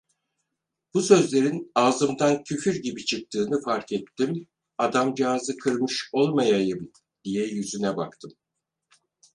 Bu sözlerin ağzımdan küfür gibi çıktığını fark ettim, adamcağızı kırmış olmayayım, diye yüzüne baktım.